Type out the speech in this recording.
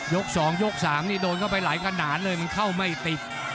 ๒ยก๓นี่โดนเข้าไปหลายขนาดเลยมันเข้าไม่ติด